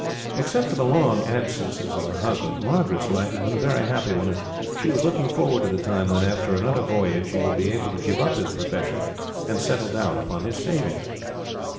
Except for the long absences of her husband, Margaret's life had been a very happy one, and she was looking forward to the time when, after another voyage, he would be able to give up his profession and settle down upon his savings.